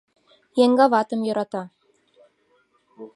Еҥгаватым йӧрата.